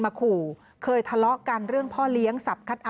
มีคนร้องบอกให้ช่วยด้วยก็เห็นภาพเมื่อสักครู่นี้เราจะได้ยินเสียงเข้ามาเลย